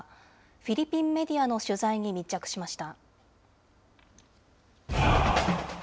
フィリピンメディアの取材に密着しました。